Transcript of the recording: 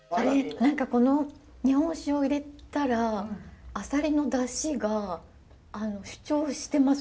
何かこの日本酒を入れたらあさりの出汁が主張してます。